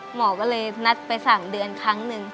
หมอก็เลยนัดไป๓เดือนครั้งหนึ่ง